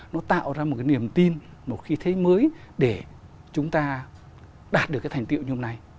nó tạo ra một cái niềm tin một khi thế mới để chúng ta đạt được cái thành tiệu như hôm nay